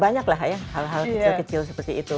banyak lah ya hal hal kecil kecil seperti itu